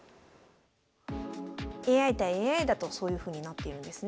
ＡＩ対ＡＩだとそういうふうになっているんですね。